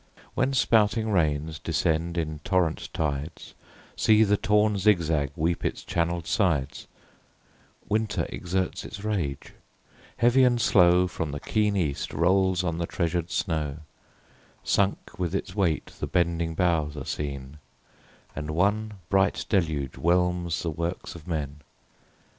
When spouting rains descend in torrent tides, See the torn zigzag weep its channel'd sides: Winter exerts its rage; heavy and slow, From the keen east rolls on the treasured snow; Sunk with its weight the bending boughs are seen, And one bright deluge whelms the works of men.